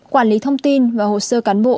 quản lý thông tin và hồ sơ cán bộ